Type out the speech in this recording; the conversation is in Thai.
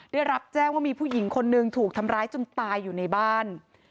ได้รับแจ้งว่ามีผู้หญิงคนนึงถูกทำร้ายจนตายอยู่ในบ้าน